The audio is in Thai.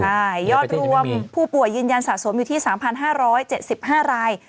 ใช่ยอดรวมผู้ป่วยยืนยันสะสมอยู่ที่๓๕๗๕ราย